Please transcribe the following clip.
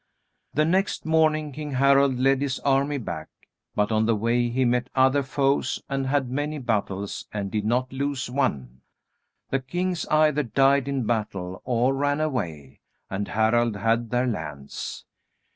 The next morning King Harald led his army back. But on the way he met other foes and had many battles and did not lose one. The kings either died in battle or ran away, and Harald had their lands.